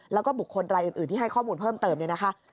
แล้วก็บุคคลรายอื่นที่ให้ข้อมูลเพิ่มเติมเนี่ยนะคะ